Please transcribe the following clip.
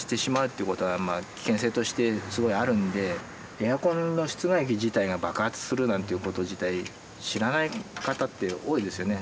エアコンの室外機自体が爆発するなんていうこと自体知らない方って多いですよね。